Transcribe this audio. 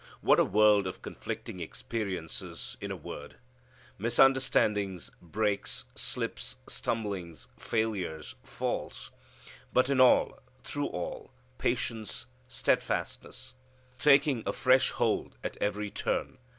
What a world of conflicting experiences in a word! Misunderstandings, breaks, slips, stumblings, failures, falls; but in all, through all, patience, steadfastness. Taking a fresh hold at every turn.